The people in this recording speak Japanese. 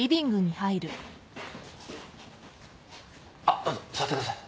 あっどうぞ座ってください。